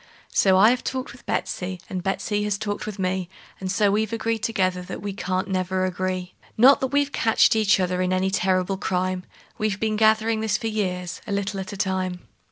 So I have talked with Betsey, and Betsey has talked with me, And so we've agreed together that we can't never agree; Not that we've catched each other in any terrible crime; We've been a gathering this for years, a little at a time.